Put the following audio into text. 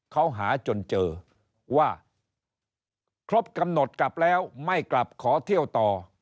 เขาหาจนเจอว่าครบกำหนดกลับแล้วไม่กลับขอเที่ยวต่อ